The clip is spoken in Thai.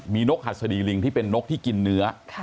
มีนกหัสดีลิงที่เป็นนกที่กินเนื้อ